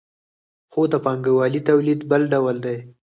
خو د پانګوالي تولید بل ډول دی.